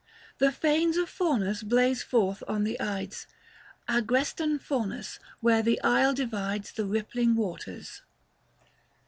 The fanes of Faunus blaze forth on the Ides ; Agrestan Faunus — where the isle divides The rippliDg waters.